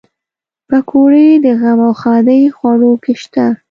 پکورې د غم او ښادۍ خوړو کې شته